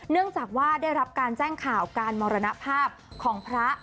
เนื่องจากว่าได้รับการแจ้งข่าวการมรณภาพของพระ